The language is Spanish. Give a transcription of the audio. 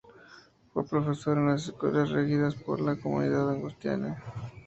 Fue profesor en las escuelas regidas por la comunidad agustiniana.